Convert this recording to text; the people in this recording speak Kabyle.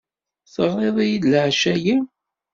Teɣriḍ-iyi-d leɛca-ayyi?